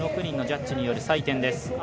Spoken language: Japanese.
６人のジャッジによる採点です。